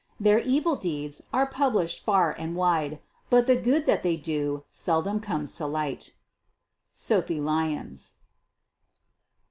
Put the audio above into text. Their evil deeds are published far and wide, but \ne good that they do seldom comes to light. SOPHIE LYONS.